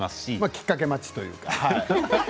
きっかけ待ちというか